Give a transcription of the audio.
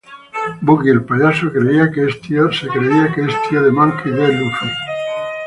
Buggy el Payaso creía que es tío de Monkey D. Luffy.